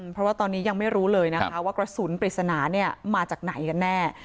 เพราะว่าตอนนี้ยังไม่รู้เลยนะคะว่ากระสุนปริศนามาจากไหนกันแน่